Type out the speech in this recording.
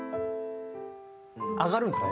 上がるんですね。